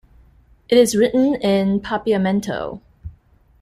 It is written in Papiamento.